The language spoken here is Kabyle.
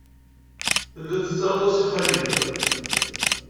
Tellid tettarud-as i xali-m.